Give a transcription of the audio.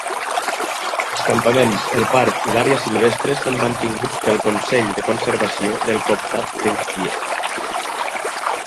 Els campaments, el parc i l'àrea silvestre són mantinguts pel Consell de Conservació del Comtat de Guthrie.